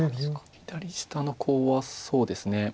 左下のコウはそうですね。